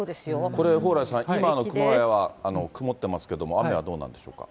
これ、蓬莱さん、今、熊谷は曇ってますけど、雨はどうなんでしょうか。